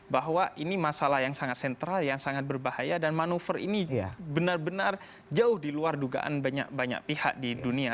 bahwa ini masalah yang sangat sentral yang sangat berbahaya dan manuver ini benar benar jauh di luar dugaan banyak pihak di dunia